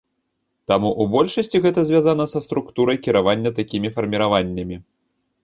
Таму, у большасці гэта звязана са структурай кіравання такімі фарміраваннямі.